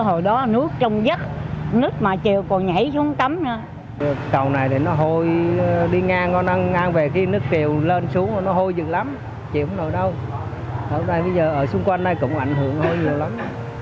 hôm nay bây giờ ở xung quanh đây cũng ảnh hưởng hôi nhiều lắm